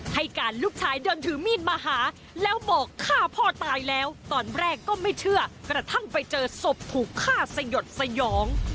ให้การลูกชายเดินถือมีดมาหาแล้วบอกฆ่าพ่อตายแล้วตอนแรกก็ไม่เชื่อกระทั่งไปเจอศพถูกฆ่าสยดสยอง